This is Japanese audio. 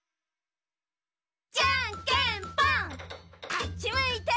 あっちむいて。